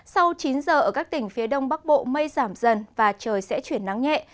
sau chín giờ ở các tỉnh phía đông bắc bộ mây giảm dần và trời sẽ chuyển nắng nhẹ